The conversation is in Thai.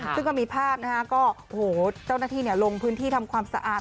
ซึ่งก็มีภาพนะฮะก็โอ้โหเจ้าหน้าที่ลงพื้นที่ทำความสะอาด